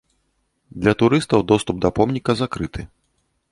Для турыстаў доступ да помніка закрыты.